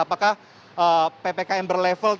apakah ppkm berlevel